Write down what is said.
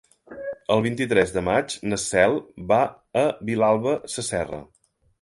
El vint-i-tres de maig na Cel va a Vilalba Sasserra.